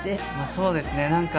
そうですか。